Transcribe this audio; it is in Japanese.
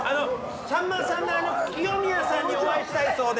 さんまさんが清宮さんにお会いしたいそうで。